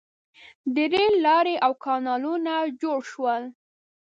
• د رېل لارې او کانالونه جوړ شول.